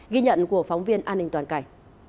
ghi nhận của phóng viên an ninh toàn cải